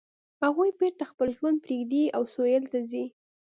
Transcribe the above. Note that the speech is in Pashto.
هغوی بیرته خپل ژوند پریږدي او سویل ته ځي